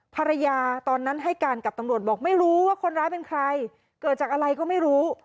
ภรรยาตอนนั้นให้การกับตำรวจบอกไม่รู้ว่าคนร้ายเป็นใครเกิดจากอะไรก็ไม่รู้